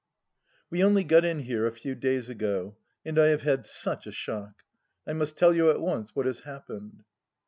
We only got in here a few days ago, and I have had such a shock ! I must tell you at once what has happened.